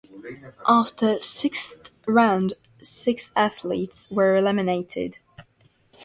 After sixth round six athletes were eliminated.